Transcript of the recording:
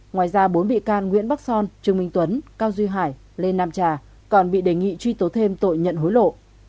ngoài ra bốn bị can nguyễn bắc son trương minh tuấn cao duy hải lê nam trà còn bị đề nghị truy tố thêm tội nhận hối lộ